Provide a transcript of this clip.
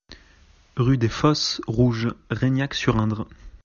Rue des Fosses Rouges, Reignac-sur-Indre